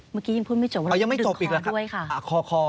เมื่อกี้ยังพูดไม่จบว่าเราต้องดึงคอด้วยค่ะคอ